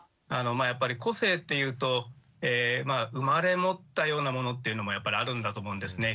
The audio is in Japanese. やっぱり個性っていうとまあ生まれ持ったようなものっていうのもやっぱりあるんだと思うんですね。